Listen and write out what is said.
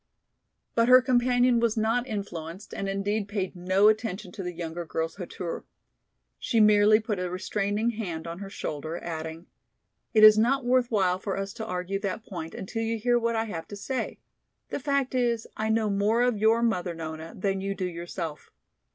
But her companion was not influenced and indeed paid no attention to the younger girl's hauteur. She merely put a restraining hand on her shoulder, adding, "It is not worth while for us to argue that point until you hear what I have to say. The fact is, I know more of your mother, Nona, than you do yourself.